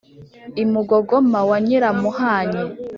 i mugogoma wa nyiramuhanyi